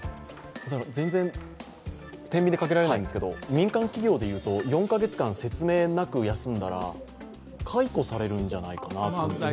全然てんびんにかけられないんですけれども、民間企業ですと４カ月間、説明なく休んだら解雇されるんじゃないかなと思うんですが。